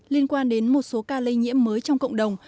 liên quan đến một số ca lây nhiễm mới trong cộng đồng